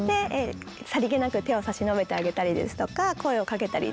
さりげなく手を差し伸べてあげたりですとか声をかけたり。